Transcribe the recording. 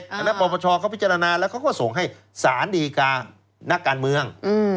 ดังนั้นปปชเขาพิจารณาแล้วเขาก็ส่งให้สารดีการักการเมือง